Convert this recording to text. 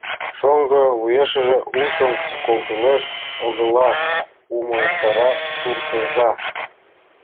Шоҥго вуешыже ушым колтылеш огыла, — умылтара суртоза.